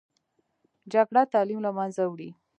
جګړه تعلیم له منځه وړي